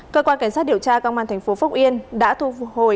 cơ quan cảnh sát điều tra công an thành phố phúc yên đã thu hồi